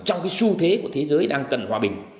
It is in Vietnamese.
trong cái xu thế của thế giới đang cần hòa bình